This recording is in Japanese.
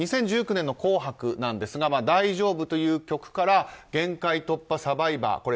２０１９年の「紅白」ですが「大丈夫」という曲から「限界突破×サバイバー」。